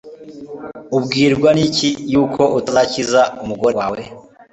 ubwirwa n'iki yuko utazakiza umugore wawe